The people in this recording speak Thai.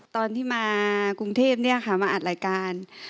ตอนที่มากรุงเทพมาอัดรายการ